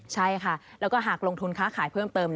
ใช่ค่ะแล้วก็หากลงทุนค้าขายเพิ่มเติม